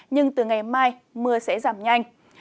nhưng từ ngày mai mưa sẽ giảm nhanh